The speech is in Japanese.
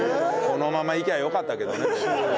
このままいけばよかったけどね。